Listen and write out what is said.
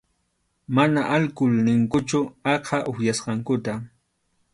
Mana alkul ninkuchu aqha upyasqankuta.